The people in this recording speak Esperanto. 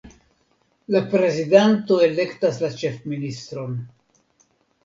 La prezidanto elektas la ĉefministron.